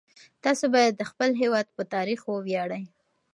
تاسو باید د خپل هیواد په تاریخ وویاړئ.